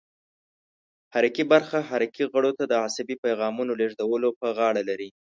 حرکي برخه حرکي غړو ته د عصبي پیغامونو لېږدولو په غاړه لري.